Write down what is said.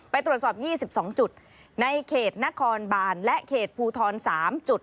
ไปตรวจสอบ๒๒จุดในเขตนครบานและเขตภูทร๓จุด